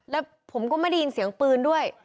แล้วผมก็ไม่ได้ยินเสียงปืนด้วย